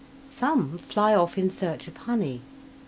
Some fly off in search of honey.